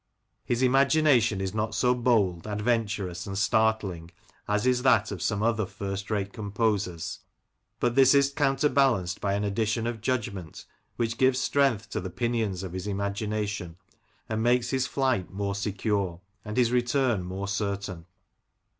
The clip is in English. His imagination is not so bold, adventurous, and startling as is that of some other first rate composers; but this is counterbalanced by an addition of judgment which gives strength to the pinions of his imagination, and makes his flight more secure, and his return more certain.